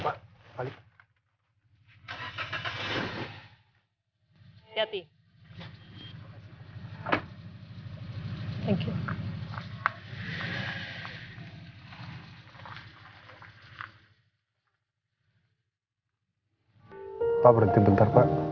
pak berhenti bentar pak